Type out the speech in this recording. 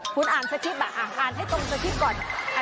คุณอ่านสกิปอ่าอ่านให้ตรงสกิปก่อน